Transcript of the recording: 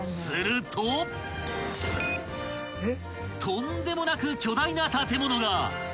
［とんでもなく巨大な建物が！］